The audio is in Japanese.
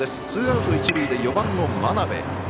ツーアウト、一塁で４番の真鍋。